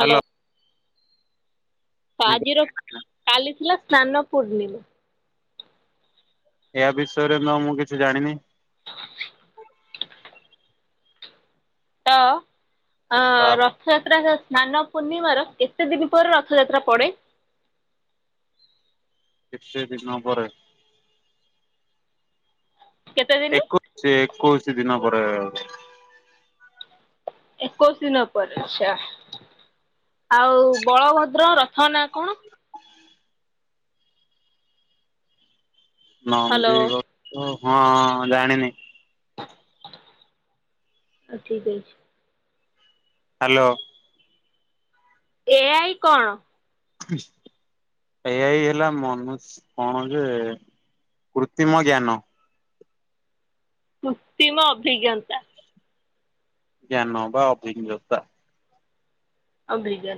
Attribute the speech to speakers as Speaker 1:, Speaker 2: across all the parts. Speaker 1: Hello.
Speaker 2: ତ ଆଜିର କାଲି ଥିଲା ସ୍ନାନ ପୂର୍ଣ୍ଣିମା।
Speaker 1: ଏୟ ବିଷୟରେ ତ ମୁଁ କିଛି ଜାଣିନି।
Speaker 2: ତ ଅ ର
Speaker 1: ତ
Speaker 2: ରଥଯାତ୍ରା ର ସ୍ନାନ ପୂର୍ଣ୍ଣିମାର ଏତେ ଦିନ ପରେ ରଥଯାତ୍ରା ପଡ଼େ?
Speaker 1: କେତେ ଦିନ ପରେ
Speaker 2: କେତେ ଦିନି?
Speaker 1: ଏକୋଇଶ ଏକୋଇଶି ଦିନ ପରେ
Speaker 2: ଏକୋଇଶ ଦିନ ପରେ ଆଛା ଆଉ ବଳଭଦ୍ର ରଥ ନା କଣ? ହ୍ୟାଲୋ
Speaker 1: ନନ୍ଦିଘୋଷ କଣ ଜାଣିନି?
Speaker 2: ଆଉ ଠିକ୍ ଅଛି।
Speaker 1: ହ୍ୟାଲୋ।
Speaker 2: ଏ ଆଇ କଣ?
Speaker 1: ଏ ଆଇ ହେଲା ମନୁଶ୍ କଣ ଯେ କୃତ୍ରିମ ଜ୍ଞାନ।
Speaker 2: କୃତ୍ରିମ ଅଭିଜ୍ଞତା।
Speaker 1: ଜ୍ଞାନ ବା ଅଭିଜ୍ଞତା।
Speaker 2: ଅଭିଜ୍ଞ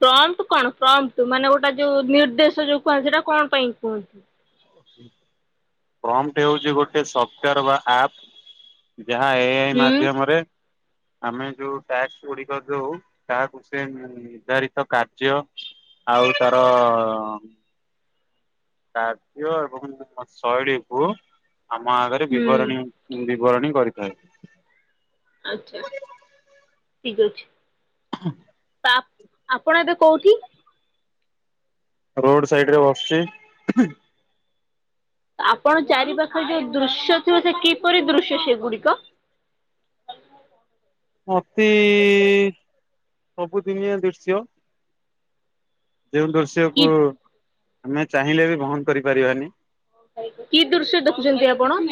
Speaker 2: ଫ୍ରଣ୍ଟ କଣ ଫ୍ରଣ୍ଟ ମାନେ ଗୋଟେ ଯୋଉ ନିର୍ଦ୍ଦେଶ ଯୋଉ କୁହଜାଏ ସେଟା କଣ ପାଇଁ କୁହନ୍ତୁ।
Speaker 1: ପ୍ରମ୍ଟ ହଉଛି ଗୋଟେ ସଫ୍ଟାର ବା ଆପ୍। ଯାହା ଏ ଆଇ
Speaker 2: ହୁଁ
Speaker 1: ମାଧ୍ୟମରେ ଆମେ ଯୋଉ ଟ୍ୟାଗ ଗୁଡିକ ଯଉ ତାହାକୁ ସେ ନିର୍ଦ୍ଧାରିତ କାର୍ଯ୍ୟ ଆଉ ତାର କାର୍ଯ୍ୟ ଏବଂ ଶୈଳୀକୁ ଆମ ଆଗରେ
Speaker 2: ହୁଁ
Speaker 1: ବିବରଣୀ ଉଁ ବିବରଣୀ କରିଥାଏ।
Speaker 2: ଆଚ୍ଛା ଠିକ ଅଛି।
Speaker 1: ହଁ
Speaker 2: ଆ ଆପଣ ଏବେ କୋଉଠି?
Speaker 1: ରୋଡ ସାଇଡରେ ବସଚି।
Speaker 2: ଆପଣ ଚାରି ପାଖରେ ଯୋଉ ଦୃଶ୍ୟ ଥିବ ସେ କିପରି ଦୃଶ୍ୟ ସେଗୁଡିକ?
Speaker 1: ଅତି ସବୁଦିନିଆ ଦୃଶ୍ୟ। ଯେଉଁ
Speaker 2: କି
Speaker 1: ଦୃଶ୍ୟକୁ ଆମେ ଚାହିଁଲେ ବି ବହନ କରିପାରିବାନି।
Speaker 2: କି ଦୃଶ୍ୟ ଦେଖୁଚନ୍ତି ଆପଣ?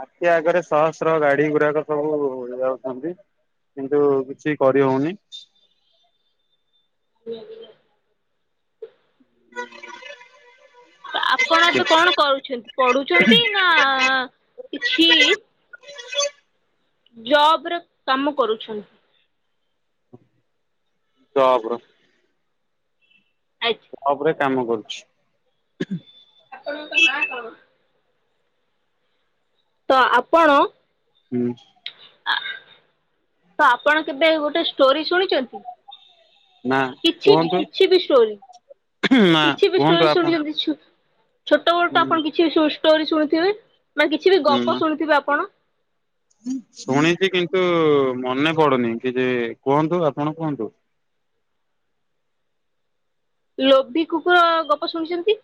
Speaker 1: ଆଖି ଆଗରେ ଶହସ୍ର ଗାଡିଗୁଡାକ ସବୁ ଯାଉଛନ୍ତି। କିନ୍ତୁ କିଛି କରିହୋଉନି।
Speaker 2: ହୁଁ।
Speaker 1: ଜ
Speaker 2: ଆପଣ ଏବେ କଣ କରୁଛନ୍ତି ପଢୁଛନ୍ତି ନା କିଛି ଜବରେ କାମ କରୁଛ
Speaker 1: ଜବର।
Speaker 2: ଆଜ୍ଞା।
Speaker 1: ଅବରେ କାମ କରୁଚି।
Speaker 2: ଆପଣଙ୍କ ନାଁ କଣ? ତ ଆପଣ
Speaker 1: ହୁଁ।
Speaker 2: ତ ଆପଣ କେବେ ଗୋଟେ ଷ୍ଟୋରି ଶୁଣିଚନ୍ତି
Speaker 1: ନା
Speaker 2: କିଛି ବି
Speaker 1: କୁହନ୍ତୁ
Speaker 2: କିଛି ବି ଷ୍ଟୋରି।
Speaker 1: ନା
Speaker 2: କିଛି ବି
Speaker 1: କୁହନ୍ତୁ
Speaker 2: ଷ୍ଟୋରି
Speaker 1: ଆପଣ
Speaker 2: ଶୁଣିଚନ୍ତି ଛୁ ଛୋଟବେଳୁ
Speaker 1: ହୁଁ
Speaker 2: ତ ଆପଣ କିଛି ବି ଷୁ ଷ୍ଟୋରି ଶୁଣିଥିବେ ମାନେ କିଛି ବି ଗପ ଶୁଣିଥିବେ ଆପଣ?
Speaker 1: ହ ଶୁଣିଚି କିନ୍ତୁ ମନେପଡୁନି କିଛିବି କୁହନ୍ତୁ ଆପଣ କୁହନ୍ତୁ।
Speaker 2: ଲୋଭି କୁକୁର ଗପ ଶୁଣିଚନ୍ତି?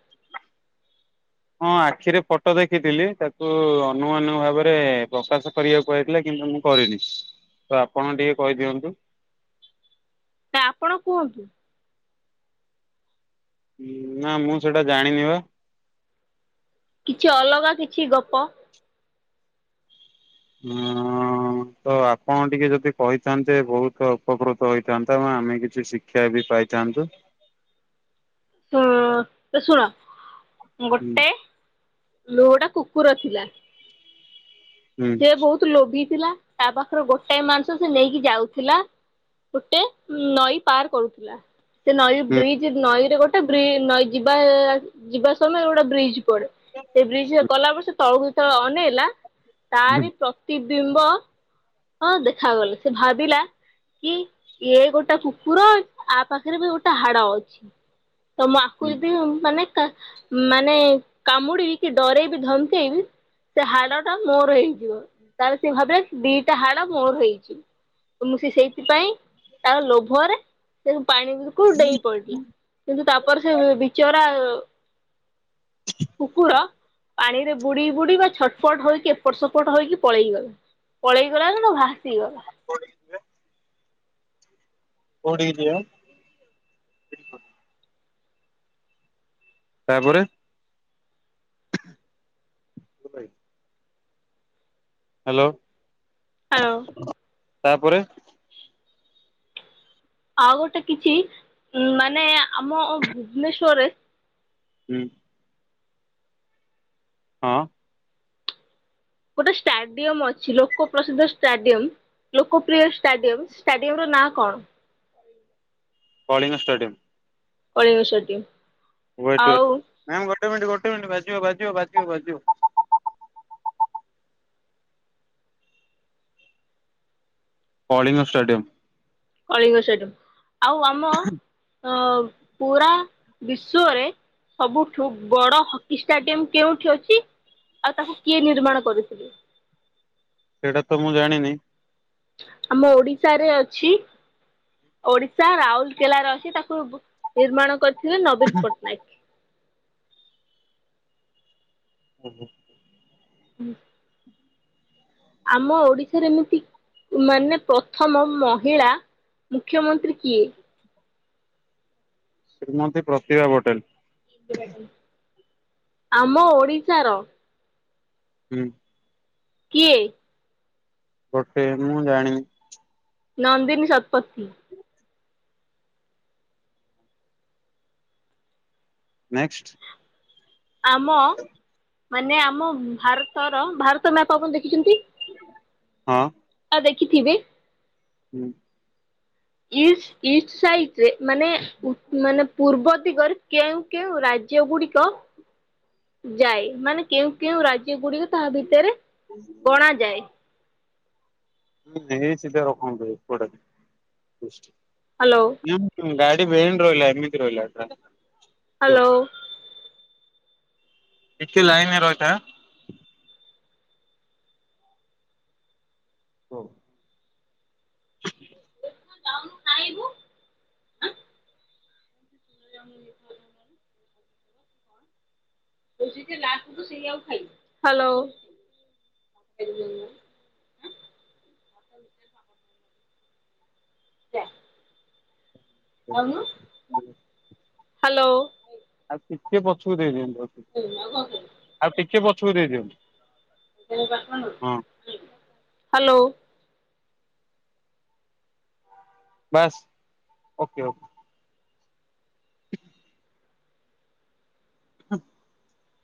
Speaker 1: ହଁ ଆଖିରେ ଫଟୋ ଦେଖିଥିଲି ତାକୁ ଅନ୍ୟମାନଙ୍କ ଭାବରେ ପ୍ରକାଶ କରିବାକୁ କୁହାଯାଇଥିଲା କିନ୍ତୁ ମୁଁ କରିନି ତ ଆପଣ ଟିକେ କହିଦିଅନ୍ତୁ।
Speaker 2: ନାଇ ଆପଣ କୁହନ୍ତୁ।
Speaker 1: ନା ମୁଁ ସେଇଟା ଜାଣିନି ପା।
Speaker 2: କିଛି ଅଲଗା କିଛି ଗପ।
Speaker 1: ଉଁ। ମୁଁ ତ ଆପଣ ଟିକେ ଯଦି କହିଥାନ୍ତେ ବୋହୁତ ଉପକୃତ ହୋଇଥାନ୍ତା ଏଣୁ ଆମେ କିଛି ଶି କ୍ଷା ବି ପାଇଥାନ୍ତୁ।
Speaker 2: ତ ତ ଶୁଣ
Speaker 1: ହୁଁ
Speaker 2: ଗୋଟେ ଲୋ ଏଟା କୁକୁର ଥିଲା
Speaker 1: ହୁଁ
Speaker 2: ସେ ବୋହୁତ ଲୋଭିଥିଲା ତା ପାଖରେ ଗୋଟାଏ ମାଂସ ସେ ନେଇକି ଯାଉଥିଲା ଗୋଟେ ନଈ ପାର କରୁଥିଲା ସେ ନଈ
Speaker 1: ହୁଁ
Speaker 2: ବ୍ରିଜ ନଈରେ ଗୋଟେ ବ୍ରି ନଈ ଯିବା ଯିବା ସମୟରେ ଗୋଟେ ବ୍ରିଜ ସେ ବ୍ରିଜ ଗଲାପରେ ସେ ତଳକୁ ତଳେ ଅନେଇଲା
Speaker 1: ହୁଁ
Speaker 2: ତାଆରି ପ୍ରତି ବିମ୍ବ ହଁ ଦେଖାଗଲେ ସେ ଭାବିଲା କି ଇଏ ଗୋଟେ କୁକୁର ଆ ପାଖରେ ବି ଗୋଟେ ହାଡ ଅଛି। ତ ମୁଁ ଆକୁ
Speaker 1: ହୁଁ।
Speaker 2: ଯଦି ମାନେ କାଞମାନେ କାମୁଡିବି କି ଡରଇବି ଧମକେଇବି ସେ ହାଡ଼ଟା ମୋର ହେଇଯିବ ତାହେଲେ ସିଏ ଭାବିବେ ଦି ସେ ହାଡ଼ ମୋର ହେଇଚି ତ ମୁଁ ସେ ସେଇଥିପାଇଁ ତାର ଲୋଭରେ ସେ ପାଣିଙ୍କୁ ଡେଇଁ ପଡିଲା, କିନ୍ତୁ ତାପରେ ସେ ବିଚରା କୁକୁର ପାଣିରେ ବୁଡିବୁଡି ବା ଛଟପଟ ହେଇକି ଏପଟ ସେପଟ ହେଇକି ପଳେଇଗଲା। ପଳେଇଗଲା ନା ଭାସିିଗଲା।
Speaker 1: [unintelligible] କୋଉଠିକି ଯିବା? ତାପରେ? ହ୍ୟାଲୋ?
Speaker 2: ହ୍ୟାଲୋ?
Speaker 1: [unintelligible] ତାପରେ?
Speaker 2: ଆଉ ଗୋଟେ କିଛି ଉ ମାନେ ଆମ ଭୁବନେଶ୍ଵରରେ
Speaker 1: ହୁଁ। ହଁ।
Speaker 2: ଗୋଟେ ଷ୍ଟାଡିୟମ ଅଛି, ଲୋକ ପ୍ରସିଦ୍ଧ ଷ୍ଟାଡିୟମ। ଲୋକପ୍ରିୟ ଷ୍ଟାଡିୟମ, ଷ୍ଟାଡିୟମର ନାଁ କଣ?
Speaker 1: Kalinga stadium.
Speaker 2: Kalinga stadium.
Speaker 1: Wait wait, ma'am ଗୋଟେ ମିନିଟ୍ ଗୋଟେ ମିନିଟ୍ ବାଜିବ ବାଜିବ ବାଜିବ ବାଜିବ। କଳିଙ୍ଗ ଷ୍ଟାଡିୟମ୍।
Speaker 2: କଳିଙ୍ଗ ଷ୍ଟାଡିୟମ୍। ଆଉ ଆମ ଅ ପୁରା ବିଶ୍ୱରେ ସବୁଠୁ ବଡ଼ ହକି ଷ୍ଟାଡ଼ିୟମ୍ କେଉଁଠି ଅଛି? ଆଉ ତାହା କିଏ ନିର୍ମାଣ କରିଥିଲେ?
Speaker 1: ସେଇଟା ତ ମୁଁ ଜାଣିନି।
Speaker 2: ଆମ ଓଡିଶାରେ ଅଛି। ଓଡିଶା ରାଉରକେଲାରେ ଅଛି, ତାକୁ [unintelligible] ନିର୍ମାଣ କରିଥିଲେ ନବୀନ ପଟ୍ଟନାୟକ।
Speaker 1: ଓହୁଁ।
Speaker 2: ହୁଁ। ଆମ ଓଡିଶାରେ ଏମିତି ମାନେ ପ୍ରଥମ ମହିଳା ମୁଖ୍ୟମନ୍ତ୍ରୀ କିଏ?
Speaker 1: ଶ୍ରୀମନ୍ତୀ ପ୍ରତିଭା ପଟେଲ।
Speaker 2: [unintelligible] ଆମ ଓଡିଶାର।
Speaker 1: ହୁଁ।
Speaker 2: କିଏ?
Speaker 1: [unintelligible] ମୁଁ ଜାଣିିନି।
Speaker 2: ନନ୍ଦିନୀ ଶତପଥି।
Speaker 1: ନେକ୍ସଟ୍।
Speaker 2: ଆମ ମାନେ ଆମ ଭାରତର ଭାରତ ମ୍ୟାପ ଆପଣ ଦେଖିଛନ୍ତି?
Speaker 1: [unintelligible] ହଁ।
Speaker 2: ଆ ଦେଖିଥିବେ।
Speaker 1: ହୁଁ।
Speaker 2: ଇଷ୍ଟ ଇଷ୍ଟ ସାଇଟରେ ମାନେ ଉ ମାନେ ପୂର୍ବ ଦିଗରେ କେଉଁ କେଉଁ ରାଜ୍ୟ ଗୁଡିକ ଯାଏ। ମାନେ କେଉଁ କେଉଁ ରାଜ୍ୟ ଗୁଡିକ ତାହା ଭିତରେ ଗଣାଯାଏ?
Speaker 1: ହୁଁ [unintelligible] ସିଧା ରଖନ୍ତୁ ଏପଟେ। [unintelligible]
Speaker 2: ହ୍ୟାଲୋ?
Speaker 1: [unintelligible] ଗାଡ଼ି ବେଣ୍ଡ ରହିଲା ଏମିତି ରହିଲା, [unintelligible]
Speaker 2: ହ୍ୟାଲୋ?
Speaker 1: ଟିକେ ଲାଇନରେ ରହିଥା। କୁହ।
Speaker 2: [unintelligible] [unintelligible] ହାଲୋ। ହାଲୋ।
Speaker 1: [unintelligible]
Speaker 2: [unintelligible]
Speaker 1: ଆଉ ଟିକେ ପଛକୁ ଦେଇଦିଅନ୍ତୁ।
Speaker 2: ହାଲୋ।
Speaker 1: ବାସ୍ ଓକେ ଓକେ। ହଁ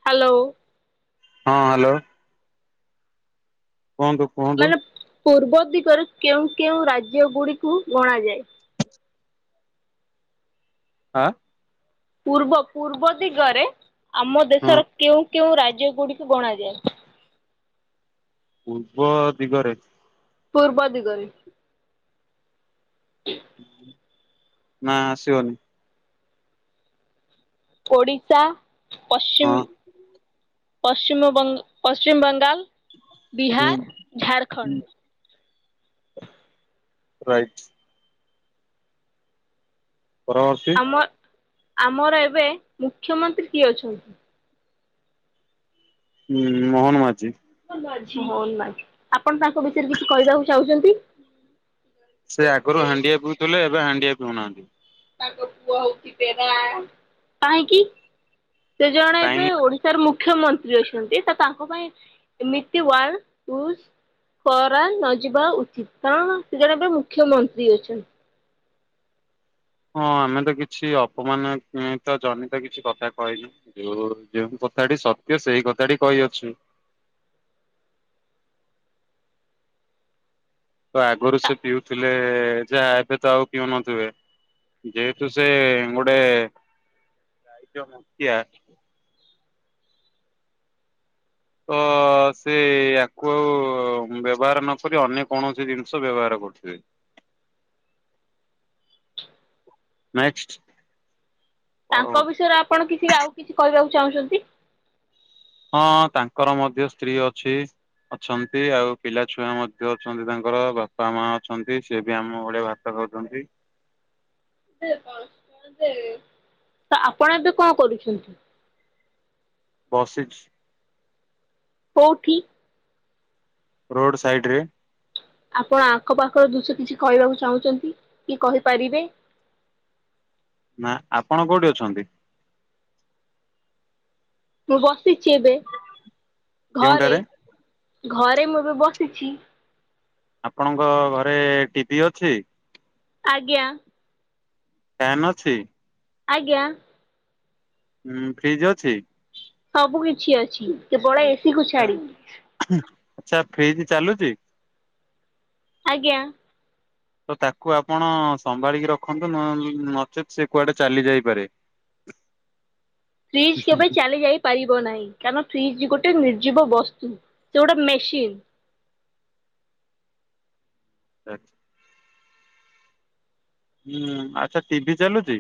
Speaker 2: ହାଲୋ।
Speaker 1: ହଁ ହାଲୋ। କୁହନ୍ତୁ। କୁହନ୍ତୁ
Speaker 2: ମାନେ ପୂର୍ବ ଦିଗରେ କେଉଁ କେଉଁ ରାଜ୍ୟ ଗୁଡିକୁ ଗଣାଯାଏ।
Speaker 1: ହାଁ।
Speaker 2: ପୂର୍ବ ପୂର୍ବ ଦିଗରେ ଆମ ଦେଶର କେଉଁ କେଉଁ ରାଜ୍ୟ ଗୁଡିକୁ ଗଣାଯାଏ।
Speaker 1: ପୂର୍ବ ଦିଗରେ।
Speaker 2: ପୂର୍ବ ଦିଗରେ।
Speaker 1: ନା ଆସିବନି।
Speaker 2: ଓଡ଼ିଶା,
Speaker 1: ହଁ
Speaker 2: ପଶ୍ଚିମ ପଶ୍ଚିମ ବଙ୍ଗ ପଶ୍ଚିମବଙ୍ଗାଲ,
Speaker 1: ହୁଁ
Speaker 2: ବିହାର, ଝାଡ଼ଖଣ୍ଡ।
Speaker 1: ହୁଁ ରାଇଟ୍। ପରବର୍ତ୍ତୀ
Speaker 2: ଆମ ଆମର ଏବେ ମୁଖ୍ୟମନ୍ତ୍ରୀ କିଏ ଅଛନ୍ତି।
Speaker 1: ହୁଁ ମୋହନ ମାଝୀ।
Speaker 2: ମୋହନ ମାଝୀ ଆପଣ ତାଙ୍କ ବିଷୟରେ କିଛି କହିବାକୁ ଚାହୁଁଛନ୍ତି।
Speaker 1: ସେ ଆଗରୁ ହାଣ୍ଡିଆ ପିଉଥିଲେ ଏବେ ହାଣ୍ଡିଆ ପିଉ ନାହାନ୍ତି।
Speaker 2: କାହିଁକି ସେ ଜ
Speaker 1: କାହିଁକି।
Speaker 2: ସାର୍ ମୁଖ୍ୟମନ୍ତ୍ରୀ ଅଛନ୍ତି ତ ତାଙ୍କ ପାଇଁ ଏମିତି ବଡ଼ ଇଉଜ୍। କରା ନ ଯିବା ଉଚିତ କାରଣ ସେ ଜଣେ ଏବେ ମୁଖ୍ୟମନ୍ତ୍ରୀ ଅଛନ୍ତି।
Speaker 1: ହଁ ଆମେ ତ କିଛି ଅପମାନିତ ତ ଜନିତ କିଛି କଥା କହିନି। ଯୋଉ ଯେଉଁ କଥାଟି ସତ୍ୟ ସେଇ କଥାଟି କହିଅଛୁ। ତ ଆଗରୁ ସେ ପିଉଥିଲେ ଯାହା ଏବେ ତ ଆଉ ପିଉନଥିବେ। ଯେହେତୁ ସେ ଗୋଟେ ଦାଇତ୍ୟ ମୁଖିଆ। ତ ସେ ୟାକୁ ଆଉ। କମ୍ ବ୍ୟବହାର ନ କରି ଅନ୍ୟ କୌଣସି ଜିନିଷ ବ୍ୟବହାର କରୁଥିବେ। ନେକ୍ସେଟ୍।
Speaker 2: ତାଙ୍କ ବିଷୟରେ ଆପଣ କିଛି ଆଉ କିଛି କହିବାକୁ ଚାହୁଁଛନ୍ତି।
Speaker 1: ହଁ ତାଙ୍କର ମଧ୍ୟ ସ୍ତ୍ରୀ ଅଛି। ଅଛନ୍ତି ଆଉ ପିଲା ଛୁଆ ମଧ୍ୟ ଅଛନ୍ତି ତାଙ୍କର ବାପା ମା ଅଛନ୍ତି ସିଏ ବି ଆମ ଭଳିଆ ଭା ତ ଖାଉଛନ୍ତି।
Speaker 2: ତ ଆପଣ ଏବେ କଣ କରୁଛନ୍ତି?
Speaker 1: ବସିଛି।
Speaker 2: କଉଠି?
Speaker 1: ରୋଡ ସାଇଡ ରେ।
Speaker 2: ଆପଣ ଆଖପାଖର ଦୃଶ୍ୟ କିଛି କହିବାକୁ ଚାହୁଁଛନ୍ତି କି କହିପାରିବେ?
Speaker 1: ନା ଆପଣ କୋଉଠି ଅଛନ୍ତି?
Speaker 2: ମୁଁ ବସିଛି ଏବେ ଘରେ,
Speaker 1: କେଉଁଠାରେ?
Speaker 2: ଘରେ ମୁଁ ଏବେ ବସିଛି।
Speaker 1: ଆପଣଙ୍କ ଘରେ ଟିଭି ଅଛି?
Speaker 2: ଆଜ୍ଞା।
Speaker 1: ଫ୍ୟାନ ଅଛି?
Speaker 2: ଆଜ୍ଞା।
Speaker 1: ହୁଁ ଫ୍ରିଜ ଅଛି?
Speaker 2: ସବୁ କିଛି ଅଛି କେବଳ ଏସିି କୁ ଛାଡି।
Speaker 1: ଆଚ୍ଛା ଫ୍ରିଜ ଚାଲୁଚି।
Speaker 2: ଆଜ୍ଞା
Speaker 1: ତ ତାକୁ ଆପଣ ସମ୍ଭାଳିକି ରଖନ୍ତୁ ନଚେତ୍ ସେ କୁଆଡେ ଚାଲି ଯାଇପାରେ। [unintelligible]
Speaker 2: ଫ୍ରିଜ୍ କେବେ ଚାଲିଯାଇ, ପାରିବ ନାହିଁ କାରଣ ଫ୍ରିଜ ଗୋଟେ ନିର୍ଜୀବ ବସ୍ତୁ ସେ ଗୋଟେ ମେସିନ୍।
Speaker 1: ଆଚ୍ଛା [unintelligible] ହୁଁ ଆଚ୍ଛା ଟିଭିି ଚାଲୁଛି?